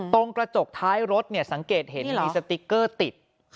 ตรงกระจกท้ายรถสังเกตเห็นมีสติ๊กเกอร์ติด